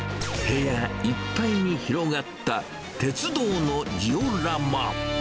部屋いっぱいに広がった鉄道のジオラマ。